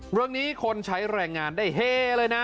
เรื่องนี้คนใช้แรงงานได้เฮ้ยเลยนะ